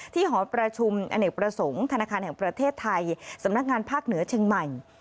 หอประชุมอเนกประสงค์ธนาคารแห่งประเทศไทยสำนักงานภาคเหนือเชียงใหม่